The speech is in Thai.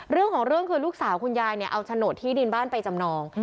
เรื่องของเรื่องคือลูกสาวคุณยายเนี่ยเอาโฉนดที่ดินบ้านไปจำนอง